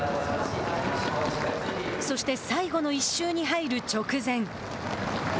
そして、最後の１周に入る直前。